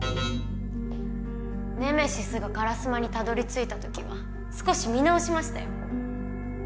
ネメシスが烏丸にたどり着いた時は少し見直しましたよ。